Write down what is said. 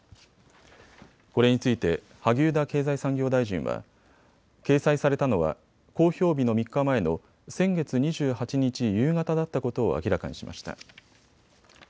これについて萩生田経済産業大臣は掲載されたのは公表日の３日前の先月２８日夕方だったことを明らかにしました。